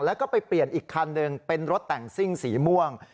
แล้วก็ไปเปลี่ยนอีกคันหนึ่งเป็นรถแต่งซิ่งสีม่วง